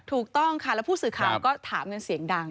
ถูกต้องค่ะแล้วผู้สื่อข่าวก็ถามกันเสียงดัง